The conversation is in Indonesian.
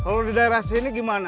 kalau di daerah sini gimana